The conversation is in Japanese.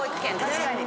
確かに。